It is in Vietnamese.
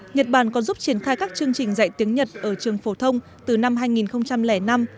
nhật bản có giúp triển khai các chương trình dạy tiếng nhật ở trường phổ thông từ năm hai nghìn năm